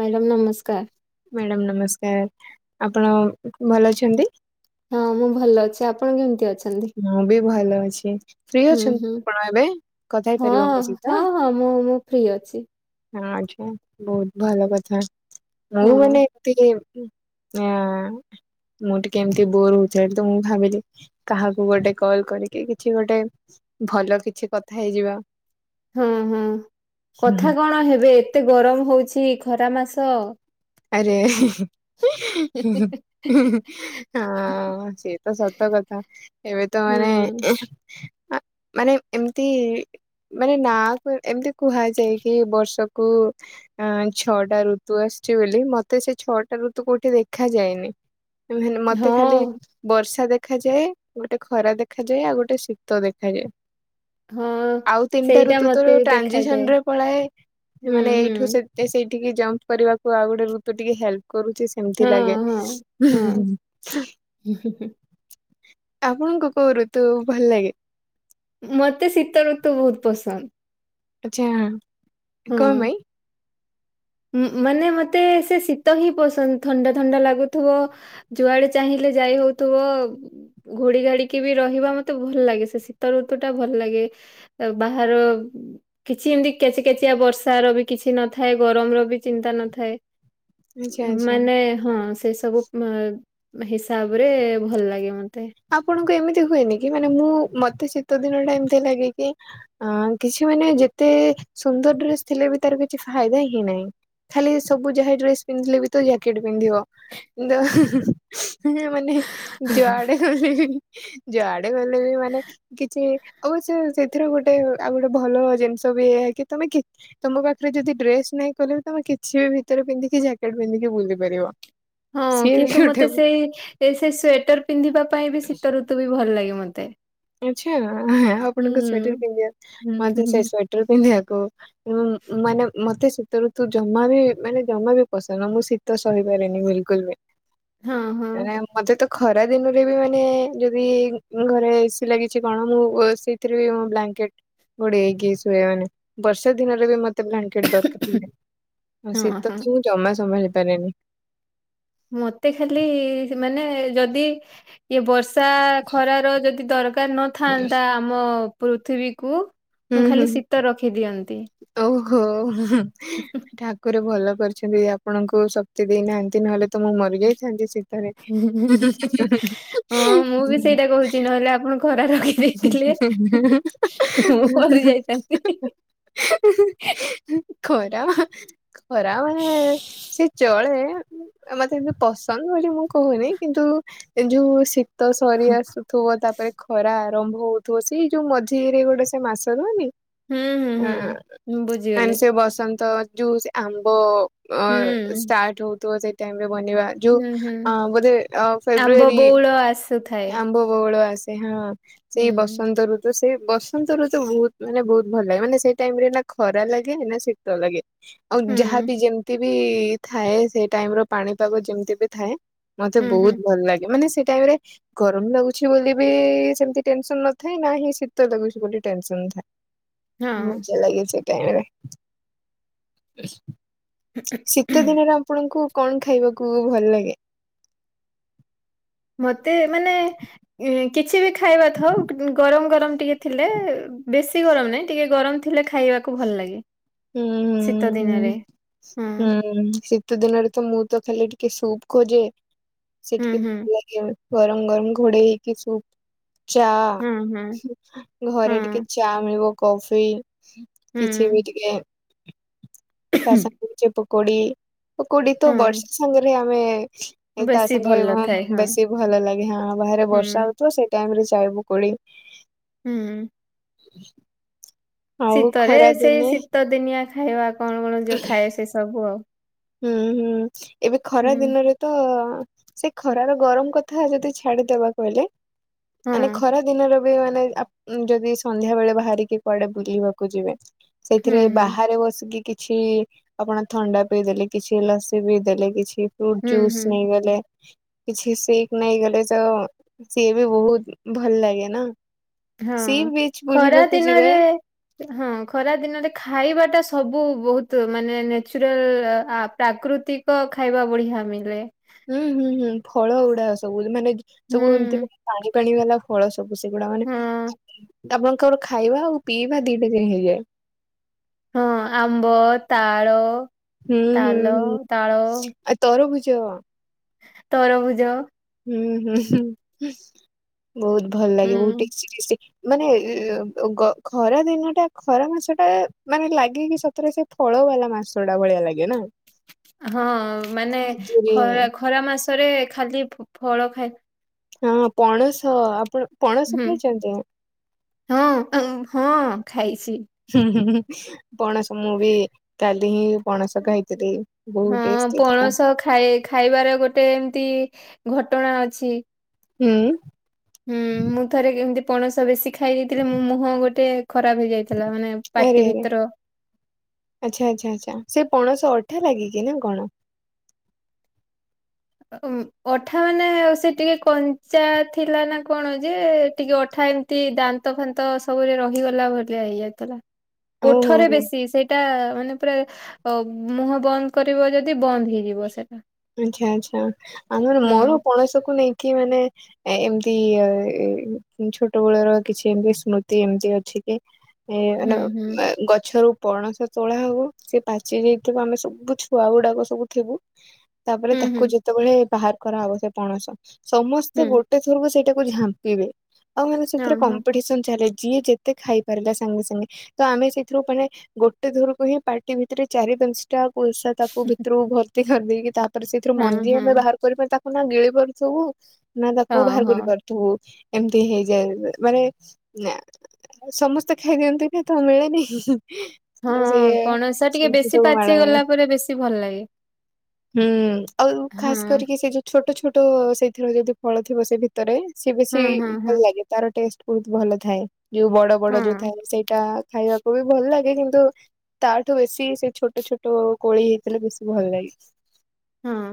Madam ନମସ୍କାର। Madam ନମସ୍କାର। ଆପଣ ଭଲ ଅଛନ୍ତି? ହଁ ମୁଁ ଭଲ ଅଛି। ଆପଣ କେମିତି ଅଛନ୍ତି? ମୁଁ ବି ଭଲ ଅଛି। ଫ୍ରି ହୁଁ ଅଛନ୍ତି ହୁଁ ଆପଣ ଏବେ କଥା ହେଇ ହଁ ପାରିବେ ମୋ ହଁ ସହିତ? ହଁ ମୁଁ-ମୁଁ ଫ୍ରି ଅଛି। ଆଚ୍ଛା ବହୁତ ଭଲ କଥା। ମୁଁ ହଁ ମାନେ ଏମିତି ରେ ଆ ମୁଁ ଟିକେ ଏମିତି ବୋର୍ ହଉଥିଲି ଏଠି ତ, ମୁଁ ଭାବିଲି କାହାକୁ ଗୋଟେ କଲ କରିକି କିଛି ଗୋଟେ ଭଲ କିଛି କଥା ହେଇଯିବା। ହଁ ହଁ, କଥା କଣ ହେବେ ଏତେ ଗରମ ହଉଛି ଖରା ମାସ। ଆରେ। ହଁ, ସେ ତ ସତ କଥା। ଏବେ ତ ହୁଁ ମାନେ ମାନେ ଏମତି ମାନେ ନା କୁ ଏମିତି କୁହାଯାଏ କି ବର୍ଷକୁ ଅ ଛଅଟା ଋତୁ ଆସେ ବୋଲି ମତେ ସେ ଛଅଟ ରୁ ତୁ କୋଉଠି ଦେଖା ଯାଏନି। ମତେ ଖାଲି ହଁ ବର୍ଷା ଦେଖାଯାଏ, ଗୋଟେ ଖରା ଦେଖାଯାଏ ଆଉ ଗୋଟେ ଶୀତ ଦେଖାଯାଏ। ହଁ। ଆଉ ତିନିଟା ସେଇଟା ଋତୁ ତ ମତେ ବି ଦେଖାଯାଏ ଟ୍ରାଞ୍ଜିସନ ରେ ପଳାଏ। ସେ ହୁଁ ମାନେ ହୁଁ ଏଇଠୁ ସେ ସେଇଠିକି ଜମ୍ପ କରିବାକୁ ଆଉ ଗୋଟେ ଋତୁ ଟିକେ ହେଲ୍ପ କରୁଛି ଏମତି ହଁ ଲାଗେ। ହଁ। ହଁ ଆପଣଙ୍କୁ କୋଉ ଋ ତୁ ଭଲ ଲାଗେ? ମତେ ଶୀତ ଋତୁ ବହୁତ ପସନ୍ଦ। ଆଚ୍ଛା, କଣ ହଁ। ପାଇଁ? ମାନେ ମତେ ସେ ଶୀତ ହିଁ ପସନ୍ଦ, ଥଣ୍ଡା ଥଣ୍ଡା ଲାଗୁଥିବ ଯୁଆଡେ ଚାହିଁଲେ ଯାଇ ହଉଥିବ। ଘୋଡି ଘାଡିକି ବି ରହିବା ମତେ ଭଲ ଲାଗେ ସେ ଶୀତ ଋତୁ ଟା ଭଲ ଲାଗେ। ବାହାର କିଛି ଏମିତି କେଚିକଚିଆ ବର୍ଷାର ବି କିଛି ନଥାଏ। ଗର ମ ର ବି ଚିନ୍ତା ନଥାଏ। ଆଚ୍ଛା ଆଚ୍ଛା। ମାନେ ହଁ, ସେ ସବୁ ହିସାବରେ ଭଲ ଲାଗେ ମତେ। ଆପଣଙ୍କୁ ଏମିତି ହୁଏନି କି ମାନେ ମୁଁ ମତେ ଶୀତ ଦିନ ଟା ଏମତି ଲାଗେ କି ଅ କିଛି ମାନେ ଯେତେ ସୁନ୍ଦର ଡ୍ରେସ ଥିଲେ ବି ତାର କିଛି ଫାଇଦା ହିଁ ନାହିଁ। ଖାଲି ସବୁ ଯାହା ଡ୍ରେସ ପିନ୍ଧିଲେ ବି ତ ଜ୍ୟାକେଟ ପିନ୍ଧିବ? ତ ମାନେ ଯୁଆଡେ ଗଲେ ବି ଯୁଆଡେ ଗଲେ ବି ମାନେ କିଛି ଅବଶ୍ୟ ସେଥିର ଗୋଟେ ଆଉ ଗୋଟେ ଭଲ ଜିନିଷ ବି ଏଇଆ କି ତମେ କେ ତମ ପାଖରେ ଯଦି ଡ୍ରେସ ନାଇଁ କହିଲେ ବି ତମେ କିଛି ବି ଭିତରେ ପିନ୍ଧିକି ଜ୍ୟାକେଟ ପିନ୍ଧିକି ବୁଲି ପାରିବ। ହଁ, ସିଏ ବି କିନ୍ତୁ ଗୋଟେ ମତେ ସେଇ ଏ ସେ ସ୍ଵେଟର ପିନ୍ଧିବା ପାଇଁ ବି ଶୀତ ଋତୁ ବି ଭଲ ଲାଗେ ମତେ। ଆଚ୍ଛା ହୁଁ ଆପଣଙ୍କ ସ୍ଵେଟର ପିନ୍ଧିବା, ହୁଁ ହୁଁ ମତେ ସେ ହୁଁ ସ୍ଵେଟର ପିନ୍ଧିବାକୁ ମାନେ ମତେ ଶୀତୠତୁ ଜମା ବି ମାନେ ଜମା ବି ପସନ୍ଦ ନୁହଁ, ମୁଁ ଶୀତ ସହିପାରିନି ବିଲକୁଲ ବି। [inaudible] ହଁ ହଁ। ମାନେ ମତେ ତ ଖରା ଖରା ଦିନରେ ବି ମାନେ ଯଦି ଘରେ ଏସି ଲାଗିଛି କଣ ମୁଁ ସେଥିରେ ବି ବ୍ଲାଙ୍କେଟ୍ ଘୋଡେ଼ଇ ହେଇକି ଶୁଏ। ମାନେ ବର୍ଷା ଦିନରେ ବି ମତେ ଦରକାର ହୁଏ। ଆଉ ହଁ ହଁ। ଶୀତ ତ ମୁଁ ଜମା ସମ୍ଭାଳି ପାରେନି। ମତେ ଖାଲି ମାନେ ଯଦି ଇଏ ବର୍ସ ବର୍ଷା ଖରାର ଯଦି ଦରକାର ନଥାନ୍ତା ଆମ ପୃଥିବୀକୁ ହୁଁ ମୁଁ ଖାଲି ହୁଁ ଶୀତ ରଖିଦିଅନ୍ତି। ଓହୋ ଠା ଠାକୁର ଭଲ କରିଛନ୍ତି ଆପଣଙ୍କୁ ଶକ୍ତି ଦେଇନାହାନ୍ତି ନହେଲେ ତ ମୁଁ ମରିଯାଇଥାନ୍ତି ଶୀତରେ କିଛି ନହେଲେ ଆପଣ ଖରା ରଖେ ମୁଁ ମରି ଯାଇଥାନ୍ତି। [unintelligible] ଖରା ଖରାମାନେ ସେ ଚଳେ ମତେ ଏମତି ପସନ୍ଦ ବୋଲି ମୁଁ କହୁନି କିନ୍ତୁ ଯୋଉ ଶୀ ତ ସରି ଆସୁଥିବ ତାପରେ ଖରା ଆରମ୍ଭ ହଉଥିବ ସେଇ ଯୋଉ ମଝିରେ ଗୋଟେ ସେ ମାସ ରୁହନି ହୁଁ ହୁଁ ହୁଁ ମୁଁ ଆ ବୁଝିଗଲେ ସେ ବସନ୍ତ ଯଉ ସେ ଆମ୍ବ ଉଁ ହୁଁ ଷ୍ଟାର୍ଟ ହଉଥିବ ସେଇ ଟାଇମରେ ବନେଇବା ଯଉ ହୁଁ ହୁଁ। ଅ ବଧେ ଆମ୍ବ ଫେବୃଆରି ବଉଳ ଆସୁଥାଏ ଆମ୍ବ ବଉଳ ଆସେ ହଁ। ହୁଁ ସେଇ ବସନ୍ତ ଋତୁ ତ ସେଇ ବସନ୍ତରେ ତ ବହୁତ ମାନେ ବହୁତ ଭଲ ଲାଗେ ମାନେ ସେଇ ଟାଇମରେ ନା ଖରା ଲାଗେ ନା ଶୀତ ଲାଗେ। ଉ ହୁଁ ଯାହା ବି ଯେମିତି ବି ଥାଏ ସେ ଟାଇମ ର ପାଣିପାଗ ଯେମିତି ବି ଥାଏ। ମତେ ହୁଁ ହୁଁ ବହୁତ ଭଲ ଲାଗେ ମାନେ ସେଟାଇମରେ ଗରମ ଲାଗୁଛି ବୋଲି ବି ସେମତି ଟେନସନ ନଥାଏ ନା ହିଁ ଶୀତ ଲାଗୁଛି ବୋଲି ଟେନସନ ଥାଏ ମଜା ଲାଗେ ସେ [unintelligible] [unintelligible] ଶୀତ ଦିନରେ ଆପଣଙ୍କୁ କଣ ଖାଇବାକୁ ଭଲ ଲାଗେ? ମତେ ମାନେ କିଛି ବି ଖାଇବା ଥାଉ ଗରମ ଗରମ ଟିକେ ଥିଲେ ବେଶୀ ଗରମ ନାହିଁ ଟିକେ ଗରମ ଥିଲେ ଖାଇବାକୁ ଭଲ ଲାଗେ। ହୁଁ ଶୀତ ହୁଁ ଦିନରେ ହୁଁ ହଁ ହୁଁ ସେ ଶୀତ ଦିନରେ ତ ମୁଁ ତ ଖାଲି ଟିକେ ସୁପ୍ ଖୋଜେ ସେ ହୁଁ ଟିକେ ହୁଁ ଭଲ ଲାଗେ। ଗରମ ଗରମ ଘୋଡେଇ ହେଇକି ସୁପ ଚା ହୁଁ ହୁଁ ଘରେ ହୁଁ ଟିକେ ଚା ମିଳିବ କଫି କିଛି ହୁଁ ବି ଟିକେ ତା ସାଙ୍ଗରେ ଛି ପକୋଡି ପୋକୋଡି ତ ହଁ ବର୍ଷା ସାଙ୍ଗରେ ଆମେ ଏଇ ତା ବେଶୀ ସାଙ୍ଗେ ଭଲ ଥାଏ ହଁ ବେଶୀ ଭଲ ଲାଗେ ହଁ ବାହାରେ ବର୍ଷା ହୁଁ ହଉଥିବ ସେଇ ଟାଇମ ରେ ଚାଏ ପକୋଡି ହୁଁ। ଆଉ ଶୀତରେ ଖରା ସେଇ ଦିନେ ଶୀତ ଦିନିଆ ଖାଇବା କଣ କଣ ଯୋଉ ଥାଏ ସେ ସବୁ ଆଉ ହୁଁ ହୁଁ ଏବେ ଖରା ହୁଁ ଦିନରେ ତ ସେ ଖରାର ଗରମ କଥା ଯଦି ଛାଡି ଦବାକୁ ହେଲେ ହଁ ମାନେ ଖରା ଦିନର ବି ବୋଲେ ଆ ଯଦି ସନ୍ଧ୍ୟା ବେଳେ ବାହାରିକି କୁଆଡେ ବୁଲିବାକୁ ଯିବେ। ହୁଁ ସେଥିରେ ହୁଁ ବାହାରେ ବସିକି କିଛି ଆପଣ ଥଣ୍ଡା ପିଇଦେଲେ କିଛି ଲସି ବି ଦେଲେ କିଛି ଫ୍ରୁଟ ହୁଁ ଜୁସ୍ ହୁଁ ନେଇଗଲେ କିଛି ଶିଖ ନାଇଁ ଗଲେ ତ ସିଏ ବି ବହୁତ ଭଲ ଲାଗେ ନା। ହଁ ସି ବିଚ୍ ଖରା ବୁଲିବାକୁ ଯିବେ ଦିନରେ ହଁ ଖରା ଦିନରେ ଖାଇବା ଟା ସବୁ ବହୁତ ମାନେ ନ୍ୟଚୁରାଲ ଆ ପ୍ରାକୃତିକ ଖାଇବା ଭଳିିଆ ମିଲେ ହୁଁ ହୁଁ ହୁଁ ଫଳ ଗୁଡା ସବୁ ମାନେ ହୁଁ ସବୁ ଏମତି ମାନେ ପାଣି ପାଣି ବାଲା ଫଳ ସବୁ ସେଗୁଡା ମାନେ ହଁ ଆପଣଙ୍କର ଖାଇବା ଆଉ ପିଇବା ଦିଟା ଦିନ ହେଇଯାଏ। ହଁ ଆମ୍ବ, ତାଳ ହୁଁ ହୁଁ ତାଲ ହୁଁ ତାଳ ଆଉ ତରୁଭୁଜ ତରଭୁଜ। ହୁଁ ହୁଁ ବହୁତ ଭଲ ହୁଁ ଲାଗେ ବହୁତ ଟେଷ୍ଟି ଟେଷ୍ଟି ମାନେ ଖରା ଦିନଟା ଖରା ମାସଟା ମାନେ ଲାଗିକି ସତରେ ସେ ଫଳ ବାଲା ମାସଟା ଭଳିଆ ଲାଗେ ନା। ହଁ ମାନେ ଖଜୁରୀ ଖରା ଖରା ମାସରେ ଖାଲି ଫଳ ଖାଇ ହଁ ପଣସ ଆପଣ ପଣସ ହୁଁ ଖାଇଛନ୍ତି? ହଁ ହଁ ଖାଇଛି। ହୁଁ ହୁଁ। ପଣସ ମୁଁ ବି କାଲି ହିଁ ପଣସ ଖାଇଥିଲି ବହୁତ ହଁ ଟେଷ୍ଟ ଥିଲା। ପଣସ ଖାଇ ଖାଇବାର ଗୋଟେ ଏମିତି ଘଟଣା ଅଛି। ହୁଁ। ହୁଁ ମୁଁ ଥରେ କେମିତି ପଣସ ବେଶୀ ଖାଇ ଦେଇଥିଲି ମୋ ମୁହଁ ଗୋଟେ ଖରାପ ହେଇଯାଇଥିଲା ମାନେ ଆରେ ପାଟି ଆରେ ଭିତର। ଆଚ୍ଛା ଆଚ୍ଛା ଆଚ୍ଛା ସେ ପଣଶ ଅଠା ଲାଗିକ କି ନା କଣ? ଅଠା ମାନେ ଆଉ ସେ ଟିକେ କଞ୍ଚା ଥିଲା ନା କଣ ଯେ ଟିକେ ଅଠା ଏମ ଏ ଦାନ୍ତ ଫାନ୍ତ ସବୁରେ ରହିଗଲା ଭଳିଆ ହେଇଯାଇଥିଲା। ଓ ହୋ ଓଠରେ ହୋ ବେଶୀ ସେଇଟା ମାନେ ପୁରା ମୁହଁ ବନ୍ଦ କରିବ ଯଦି ବନ୍ଦ ହେଇଯିବ ସେଇଟା। ଆଚ୍ଛା ଆଛା ଆଉ ନହଲେ ମୋର ପଣସକୁ ନେଇକି ମାନେ ଏମିତି ଛୋଟ ବଳର କିଛି ଏମତି ସ୍ମୃତି ଏମିତି ଅଛି କି? ଏ ମାନ ହୁଁ ହୁଁ ଗଛରୁ ପଣସ ତୋଳା ହବ ସିଏ ପାଚି ଯାଇଥିବ ଆମେ ସବୁ ଛୁଆ ଗୁଡାକ ସବୁ ଥିବୁ। ତାପରେ ହୁଁ ହୁଁ ତାକୁ ଯେତେବେଳେ ବାହାର କରାହବ ସେ ପଣସ ହୁଁ ସମସ୍ତେ ଗୋଟେ ସେଇଟାକୁ ଝାମ୍ପିବେ ଆଉ ମାନେ ହଁ ସେଥିରେ ହଁ କମ୍ପିଟସନ ଚାଲେ। ଯିଏ ଯେତେ ଖାଇ ପାରିଲା ସାଙ୍ଗେ ସାଙ୍ଗେ। ତ ଆମେ ସେଇଥିରୁ ମାନେ ଗୋଟେ ଥରକୁ ହିଁ ପାଟି ଭିତରେ ଚାରି ପାଞ୍ଚଟା ପଇସା ତାକୁ ଭିତରୁକୁ ଭର୍ତ୍ତି କରିଦେଇକି ତାପରେ ସେଇଥିରୁ ହଁ ମନ୍ଦି ହଁ ଆମେ ବାହାର ତାକୁ ନା ଗିଳି ପାରୁଥିବୁ ନା ତାକୁ ବାହାର ଓହୋ କରିପାରୁଥୁ ତୁ ଏମିତି ହେଇଯାଏ ମାନେ ଆଉ ସମସ୍ତେ ଖାଇଦିଅନ୍ତି କି ତ ମିଳେନି। ହଁ ତ ସିଏ ପଣସ ଟିକେ ସେମିତି ବେଶୀ ସବୁ ମାଡ ପାଚି ଗୋଳ ଗଲା ପରେ ବେଶୀ ଭଲ ଲାଗେ। ହୁଁ ଆଉ ହଁ ଖାସ କରିକି ସେ ଯୋଉ ଛୋଟ ଛୋଟ ସେଇଥିରେ ଯଦି ଫଳ ଥିବ ସେ ଭିତରେ। ରେ ସିଏ ବେଶୀ ହଁ ହଁ ଭଲ ହଁ ଲାଗେ ତାର ଟେଷ୍ଟ ବହୁତ ଭଲ ଥାଏ। ଯୋଉ ବଡ ବଡ ଯୋଉ ହଁ ଥାଏ ସେଇଟା ଖାଇବାକୁ ବି ଭଲ ଲାଗେ କିନ୍ତୁ ତାଠୁ ବେଶୀ ସେ ଛୋଟ ଛୋଟ କୋଳି ହେଇଥିଲେ ବେଶୀ ଭଲ ଲାଗେ। ହଁ।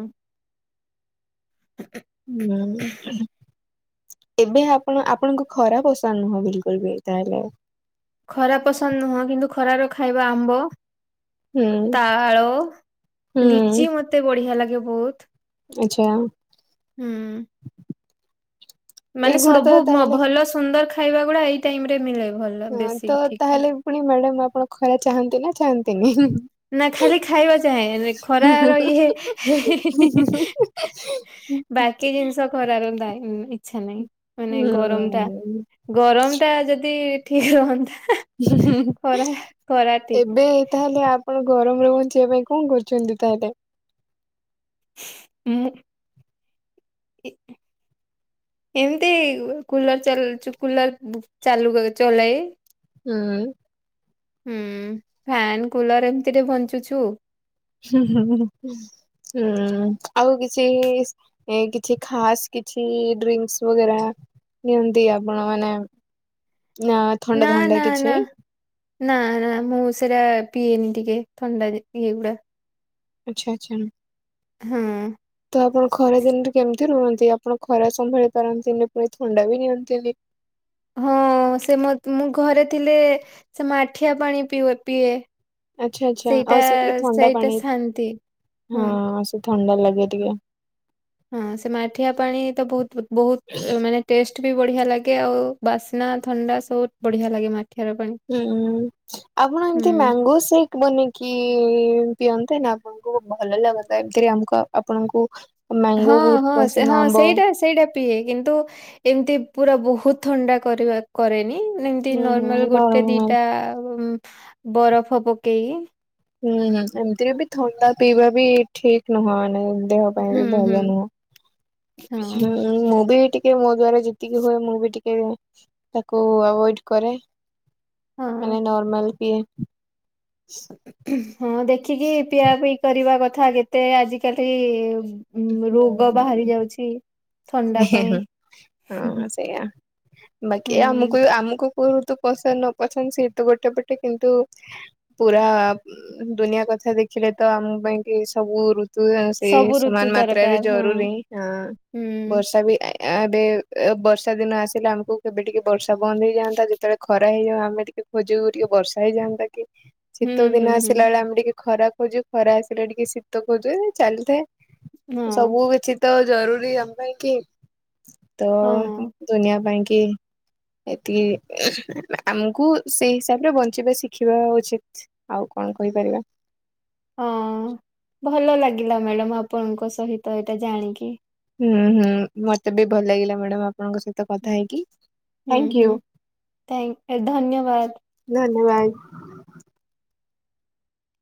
ଟ ହୁଁ। ଏବେ ଆପଣ ଆପଣଙ୍କୁ ଖରା ପସନ୍ଦ ନୁହଁ ବିଲକୁଲ ବି ତାହେଲେ ଖରା ପସନ୍ଦ ନୁହଁ କିନ୍ତୁ ଖରାର ଖାଇବା ଆମ୍ବ ହୁଁ। ତାଳ ହୁଁ ଲିଚି ମତେ ବଢିଆ ଲାଗେ ବହୁତ। ଆଚ୍ଛା। ହୁଁ। ମାନେ ଏଇଗୁଡା ତ ସବୁ ତାହେଲେ ଭଲ ସୁନ୍ଦର ଖାଇବା ଗୁଡା ଏଇ ଟାଇମରେ ମିଳେ ଭଲ। ହଁ ବେଶୀ ତ ଠିକ ଠିକ। ତାହେଲେ ପୁଣି ମ୍ୟାଡାମ ଆପଣ ଖରା ଚାହାନ୍ତି ନା ଚାହାନ୍ତିନି ହିଁ ହିଁ? ନା ଖାଲି ଖାଇବା ଚାହେଁ ଖରାର ଇଏ ହେହେହିହି ବାକି ଜିନିଷ କରାର ନାଇଁ ଇଚ୍ଛା ନାଇଁ ମାନେ ଗରମଟା ହୁଁ। ଗରମଟା ଯଦି ଠିକ୍ ରହନ୍ତା ହୁଁହୁଁ ହୁଁ ଖରା ଖରା ଠିକ ଏବେ ତାହେଲେ ଆପଣ ଗରମରୁ ବଞ୍ଚିବା ପାଇଁ କଣ କରୁଛନ୍ତି ତାହେଲେ? ମୁଁ ଇ ହୁଁ। ଏମିତି କୁଲର ଚାଲ-ଚୁ କୁଲର-ବୁ ଚାଲୁ ଚଲାଏ। ହୁଁ। ହୁଁ ଫ୍ୟାନ କୁଲର ଏମିତିରେ ବଞ୍ଚୁଛୁ। ହୁଁହୁଁହୁଁ ହୁଁ-ଉଁ ଆଉ କିଛି ଏ କିଛି ଖାସ୍ କିଛି ଡ୍ରିଙ୍କକ୍ସ ବଗେରା ନିଅନ୍ତି ଆପଣମାନେ ନା ଥଣ୍ଡା ଥଣ୍ଡା କିଛି? ନା-ନା ମୁଁ ସେରା ପିଏନି ଟିକେ ଥଣ୍ଡା ଇଏ ଗୁଡା ଆଚ୍ଛା-ଆଚ୍ଛା। ହୁଁ। ତ ଆପଣ ଖରା ଦିନରେ କେମିତି ରୁହନ୍ତି, ଆପଣ ଖରା ସମ୍ଭାଳି ପାରନ୍ତିନି ପୁଣି ଥଣ୍ଡା ବି ନିଅନ୍ତିନି? ହଁ-ଅ-ଅ ସେ ମ ମୁଁ ଘରେ ଥିଲେ ସେ ମାଠିଆ ପାଣି ପୁଏ ପିଏ। ଆଚ୍ଛା-ଆଚ୍ଛା ସେଇଟା ଆଉ ସେ ଟିକେ ଥଣ୍ଡା ସେଇଟା ପାଣି, ଶାନ୍ତି ହଁ ହଁ-ଅ-ଅ ସେ ଥଣ୍ଡା ଲାଗେ ଟିକେ ହଁ ସେ ମାଠିଆ ପାଣି ତ ବହୁତ୍ ବହୁତ୍ ମାନେ ଟେଷ୍ଟ ବି ବଢ଼ିଆ ଲାଗେ ଆଉ ବାସ୍ନା ଥଣ୍ଡା ସବୁ ବଢ଼ିଆ ଲାଗେ ମା ହୁଁ-ଉ-ଉ ଆପଣ ଏମତି ହୁଁ ମ୍ୟାଙ୍ଗୋ ସେକ୍ ବନେଇକି-ଇ-ଇ ପିଅନ୍ତେ ନା ଆପଣଙ୍କୁ ଭଲ ଲାଗନ୍ତା ଏମିତିରେ ଆମକୁ ଆପଣଙ୍କୁ ହଁ ମ୍ୟାଙ୍ଗୋ ବହୁତ ହଁ ସେ ପସନ୍ଦ ହଁ ଆମ୍ବ। ସେଇଟା ସେଇଟା ପିଏ କିନ୍ତୁ ଏମିତି ପୁରା ବହୁତ ଥଣ୍ଡା କରିବା କରେନି, ମାନେ ଏମିତି ହୁଁ ନର୍ମାଲ ଗୋଟେ ହୁଁ ଦିଟା ଉଁ-ଉଁ ବରଫ ପକେଇକି ହୁଁ-ହୁଁ ଏମିତିରେ ବି ଥଣ୍ଡା ପିଇବା ବି ଠିକ୍ ନୁହଁ ମାନେ ଦେହ ପାଇଁ ହୁଁ ବି ହୁଁ। ଭଲ ନୁହଁ। ହଁ ହୁଁ-ଉ-ଉ ମୁଁ ବି ଟିକ୍ କେ ମୋ ଦ୍ଵାରା ଯେତିକି ହୁଏ ମୁଁ ବି ଟିକେ ତାକୁ ଆଭୋଏଡ୍ କରେ। ହଁ ମାନେ ନର୍ମାଲ ପିଏ। ହୁଁହୁଁ ଦେଖିକି ପିଆପିଇ କରିବା କଥା, କେତେ ଆଜିିକାଲି ଉଁ-ଉ ରୋଗ ବାହାରି ଯାଉଚି ଥଣ୍ଡା ହୁଁ ପାଇଁ ହଁ ହୁଁହୁଁ। ସେଇଆ ବାକି ଆମକୁ ଆମକୁ କୁହତୁ ପସନ୍ଦ ନ ପସନ୍ଦ ସିଏ ତ ଗୋଟେ ପଟେ କିନ୍ତୁ ପୁରା ଉଁ ଦୁନିଆ କଥା ଦେଖିଲେ ତ ଆମ ପାଇଁ କି ସବୁ ଋ ତୁ ସେ ସବୁ ଋତୁ ସମାନ ମାତ୍ରାରେ ଦରକାର ହଁ। ଜରୁରୀ ହିଁ ହଁ ହୁଁ ବର୍ଷ୍ ର୍ଷା ବି ଏ-ଏବେ-ଏ ବର୍ଷା ଦିନ ଆସିଲେ ଆମକୁ କେବେ ଟିକେ ବର୍ଷା ବନ୍ଦ ହେଇଯାଆନ୍ତା ଯ ଯେତେବେଳେ ଖରା ହେଇଯାଉ ଆମେ ଟିକେ ଖୋଜୁ ଟିକେ ବର୍ଷ ହେଇଯାନ୍ତା କି ହୁଁ ଶୀତ ଦିନ ହୁଁ ହୁଁ। ଆସିଲା ବେଳେ ଆମେ ଟିକେ ଖରା ଖୋଜୁ ଖରା ଆସିଲେ ଟିକେ ଶୀତ ଖୋଜୁ ଏ-ଏ ଚାଲିଥାଏ। ମୁଁ ସବୁ କିଛି ତ ଜରୁରୀ ଆମ ପାଇଁ କି, ତ ହଁ। ଦୁନିଆ ପାଇଁ କି। ଏତିକି ଉଁହୁଁ ଆମକୁ ସେଇ ହିସାବରେ ବଞ୍ଚିବା ଶିଖିବା ଉଚିତ୍। ଆଉ କଣ କହିପାରିବା। ହଁ ଭଲ ଲାଗିଲା ମ୍ୟାଡ଼ାମ୍ ଆପଣଙ୍କ ସହିତ ଏଇଟା ଜାଣିକି। ହୁଁ, ହୁଁ, ମତେ ବି ଭଲ ଲାଗିଲା ମ୍ୟାଡ଼ାମ୍ ଆପଣଙ୍କ ସହିତ କଥା ହେଇକି। ହୁଁ ଥ୍ୟାଙ୍କ ହୁଁ, ୟୁ ଥାଙ୍କ ଏ ଧନ୍ୟବାଦ। ଧନ୍ୟବାଦ